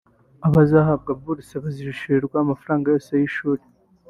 Abazahabwa buruse bazishyurirwa amafaranga yose y’ishuri